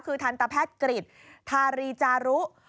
คือทันตแพทย์กริจทารีจารุ